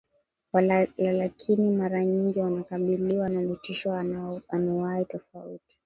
Walakini mara nyingi wanakabiliwa na vitisho anuwai tofauti